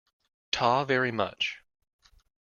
Ta very much.